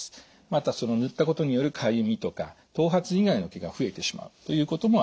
また塗ったことによるかゆみとか頭髪以外の毛が増えてしまうということもあります。